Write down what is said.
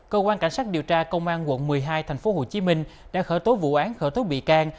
cơ quan cảnh sát điều tra công an quận một mươi hai tp hcm đã khởi tố vụ án khởi tố bị can